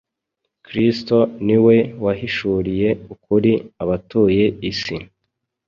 kristo niwe wahishuriye ukuri abatuye isi.